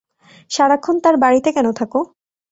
সারাক্ষণ তার বাড়িতে কেন থাকো?